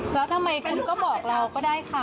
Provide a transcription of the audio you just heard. แล้วทำไมคุณก็บอกเราก็ได้ค่ะ